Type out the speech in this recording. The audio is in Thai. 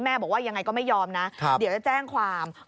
บอกว่ายังไงก็ไม่ยอมนะเดี๋ยวจะแจ้งความ